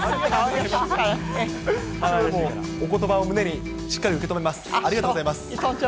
おことばを胸に、しっかり受け止めます。